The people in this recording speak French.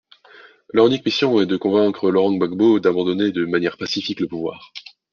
Leur unique mission est de convaincre Laurent Gbagbo d'abandonner de manière pacifique le pouvoir.